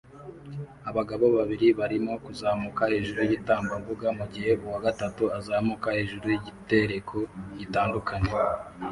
Abagabo babiri barimo kuzamuka hejuru yigitambambuga mugihe uwa gatatu azamuka hejuru yigitereko gitandukanye